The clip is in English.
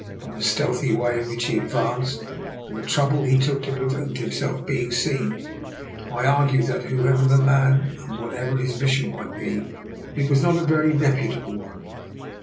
From the stealthy way in which he advanced, and the trouble he took to prevent himself being seen, I argued that, whoever the man and what ever his mission might be, it was not a very reputable one.